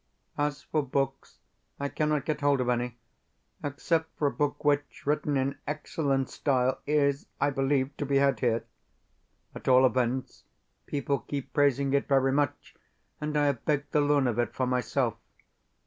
As for books, I cannot get hold of any, except for a book which, written in excellent style, is, I believe, to be had here. At all events, people keep praising it very much, and I have begged the loan of it for myself.